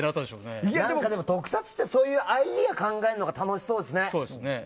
でも、特撮ってそういうアイデアを出すのが楽しそうですね。